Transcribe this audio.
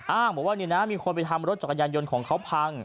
อ้างบอกว่าเนี่ยนะมีคนไปทำรถจักรยานยนต์ของเขาพัง